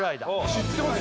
知ってます